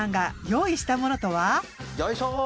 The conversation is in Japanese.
よいしょ！